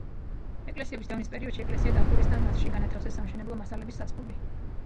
ეკლესიების დევნის პერიოდში ეკლესია დახურეს და მასში განათავსეს სამშენებლო მასალების საწყობი.